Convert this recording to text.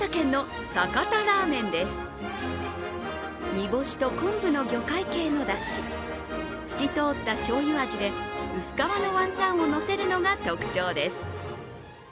煮干しと昆布の魚介系のだし、透き通ったしょうゆ味で薄皮のワンタンをのせるのが特徴です。